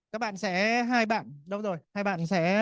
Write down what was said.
các bạn sẽ hai bạn